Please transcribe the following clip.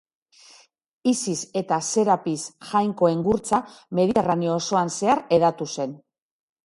Isis eta Serapis jainkoen gurtza mediterraneo osoan zehar hedatu zen.